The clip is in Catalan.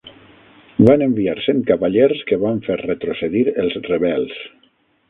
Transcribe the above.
Van enviar cent cavallers que van fer retrocedir els rebels.